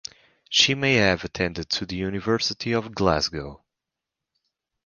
She may have attended the University of Glasgow.